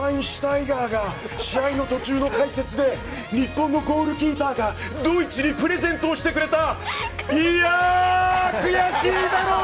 ワールドカップを掲げたシュバイン・シュタイガーが試合の途中の解説で日本のゴールキーパーがドイツにプレゼントをしてくれた。